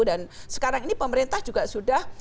dan sekarang ini pemerintah juga sudah